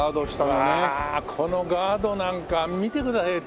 うわこのガードなんか見てくださいよ。